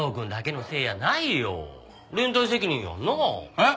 えっ？